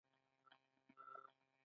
د ملټي ورس تیوري څو کائنات وړاندیز کوي.